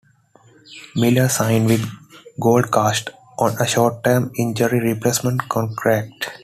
Miller signed with Gold Coast on a short-term injury replacement contract.